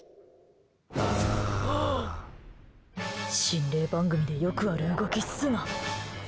心霊番組でよくある動きすな。